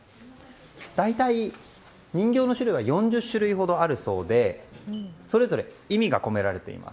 大体、人形は４０種類ほどあるそうでそれぞれ意味が込められています。